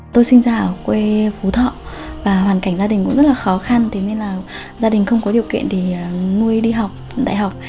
tôi sinh ra ở quê phú thọ và hoàn cảnh gia đình cũng rất là khó khăn thế nên là gia đình không có điều kiện để nuôi đi học đại học